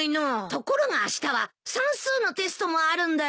ところがあしたは算数のテストもあるんだよ。